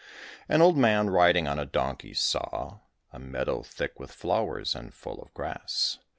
An Old Man, riding on a Donkey, saw A meadow thick with flowers, and full of grass.